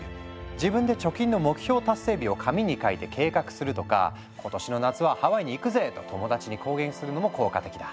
自分で貯金の目標達成日を紙に書いて計画するとか「今年の夏はハワイに行くぜ！」と友達に公言するのも効果的だ。